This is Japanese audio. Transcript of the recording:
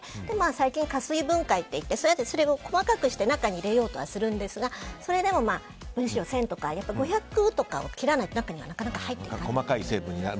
最近、加水分解といって細かくして中に入れようとはするんですがそれでも分子量が１０００とか５００とかを切らないと中には入っていかない。